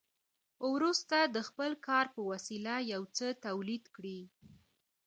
وروسته د خپل کار په وسیله یو څه تولید کړي